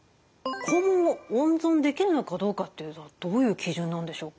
肛門を温存できるのかどうかというのはどういう基準なんでしょうか？